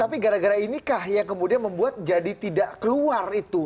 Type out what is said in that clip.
tapi gara gara inikah yang kemudian membuat jadi tidak keluar itu